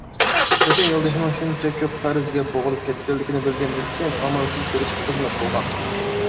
لېكىن يولدىشىنىڭ شۇنچە كۆپ قەرزگە بوغۇلۇپ كەتكەنلىكىنى بىلگەندىن كېيىن، ئامالسىز تىرىشىپ خىزمەت قىلغان.